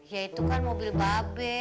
ya itu kan mobil mbak be